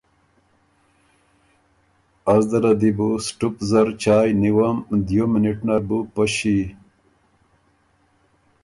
”از ده له دی بو سټُپ (سټو) زر چایٛ نیوم، دیو مینِټ نر بُو پݭی“